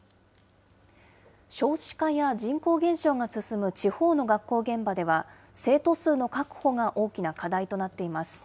少子化や人口減少が進む地方の学校現場では、生徒数の確保が大きな課題となっています。